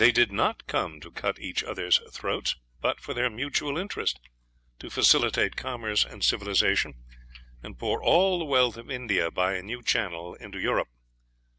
They did not come to cut each other's throats, but for their mutual interest, to facilitate commerce and civilisation, and pour all the wealth of India by a new channel into Europe.